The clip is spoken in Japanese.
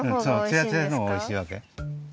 そうツヤツヤのほうがおいしいわけ。